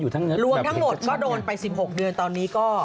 ทั้งหมดก็โดนไป๑๖เดือน